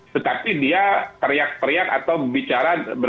tetapi dia teriak teriak atau bicara berada dalam kualitas